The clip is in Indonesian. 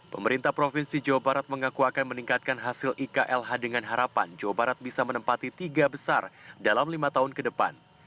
pemerintah provinsi jawa barat mengaku akan meningkatkan hasil iklh dengan harapan jawa barat bisa menempati tiga besar dalam lima tahun ke depan